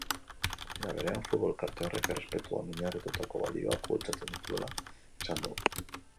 Era berean, futbol elkarte horrek errespetuan oinarritutako balioak bultzatzen dituela esan du.